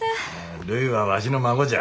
るいはわしの孫じゃ。